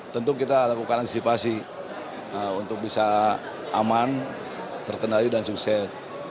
tentu kita lakukan antisipasi untuk bisa aman terkendali dan sukses